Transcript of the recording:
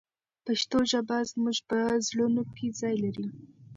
پښتو ژبه زموږ په زړونو کې ځای لري.